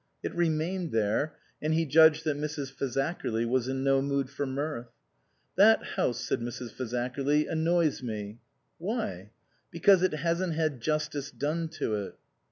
It remained there, and he judged that Mrs. Fazak erly was in no mood for mirth. " That house," said Mrs. Fazakerly, " annoys me." "Why?" " Because it hasn't had justice done to it."